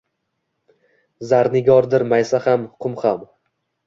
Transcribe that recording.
Zarnigordir maysa ham, qum ham.